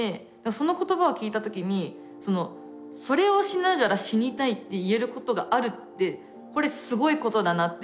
その言葉を聞いたときにそれをしながら死にたいって言えることがあるってこれすごいことだなって